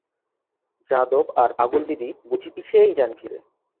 যাদব আর পাগলদিদি বুঝি পিষিয়াই যান ভিড়ে।